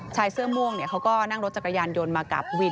ชายเสื้อม่วงเขาก็นั่งรถจักรยานยนต์มากับวิน